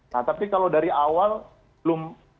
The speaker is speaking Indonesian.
nah tapi kalau dari awal belum